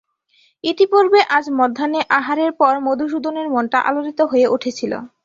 ইতিপূর্বে আজ মধ্যাহ্নে আহারের পর মধুসূদনের মনটা আলোড়িত হয়ে উঠছিল।